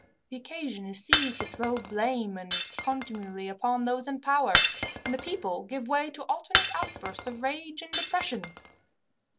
The occasion is seized to throw blame and contumely upon those in power, and the people give way to alternate outbursts of rage and depression.